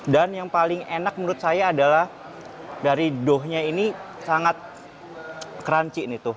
dan yang paling enak menurut saya adalah dari dough nya ini sangat crunchy nih tuh